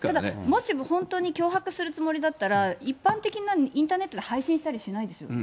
もしも本当に脅迫するつもりだったら、一般的なインターネットで配信したりしないですよね。